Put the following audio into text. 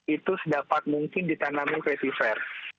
itu sedapat mungkin ditanami reservoir